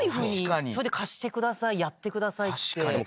それで貸してくださいやってくださいって。